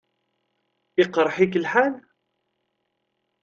Iqṛeḥ-ik lḥal?